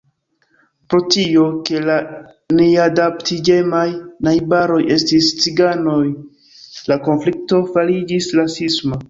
Pro tio, ke la neadaptiĝemaj najbaroj estis ciganoj, la konflikto fariĝis rasisma.